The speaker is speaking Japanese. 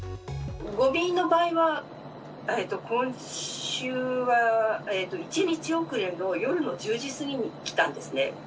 ごみの場合は、今週は１日遅れの夜の１０時過ぎに来たんですね。